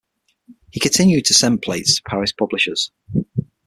He continued to send plates to Paris publishers.